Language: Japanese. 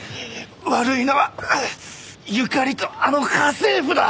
悪いのは友加里とあの家政婦だ！